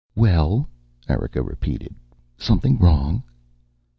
"Well," Erika repeated. "Something wrong?"